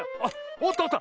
おったおった。